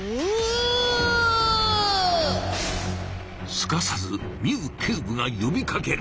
すかさずミウ警部がよびかける！